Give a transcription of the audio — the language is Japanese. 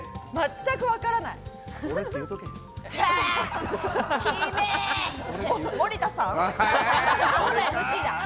全く分からない。